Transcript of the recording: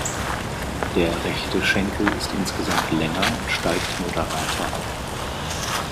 Der rechte Schenkel ist insgesamt länger und steigt moderater ab.